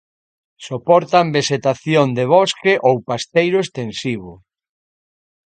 Soportan vexetación de bosque ou pasteiro extensivo.